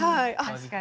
確かに。